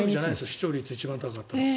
視聴率一番高かったのは。